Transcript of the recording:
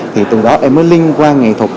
thì từ đó em mới liên quan nghệ thuật